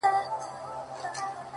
په څو ځلي مي ستا د مخ غبار مات کړی دی _